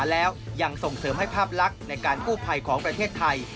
แล้วยังส่งเสริมให้ภาพลักษณ์ในการกู้ภัยของประเทศไทย